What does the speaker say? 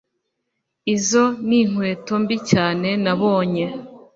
Izo ninkweto mbi cyane nabonye.